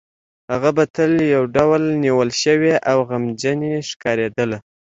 هغه به تل یو ډول نیول شوې او غمجنې ښکارېدله